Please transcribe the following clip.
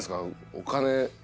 お金？